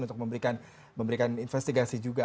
untuk memberikan investigasi juga